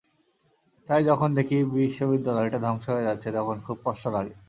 তাই যখন দেখি, বিশ্ববিদ্যালয়টা ধ্বংস হয়ে যাচ্ছে, তখন খুব কষ্ট লাগে।